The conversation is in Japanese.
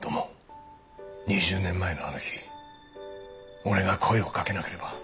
２０年前のあの日俺が声をかけなければ。